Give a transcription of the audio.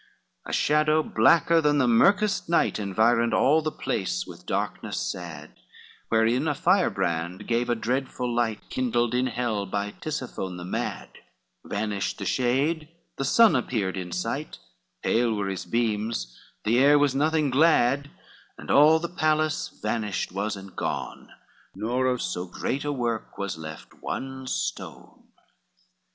LXVIII A shadow, blacker than the mirkest night, Environed all the place with darkness sad, Wherein a firebrand gave a dreadful light, Kindled in hell by Tisiphone the mad; Vanished the shade, the sun appeared in sight, Pale were his beams, the air was nothing glad, And all the palace vanished was and gone, Nor of so great a work was left one stone.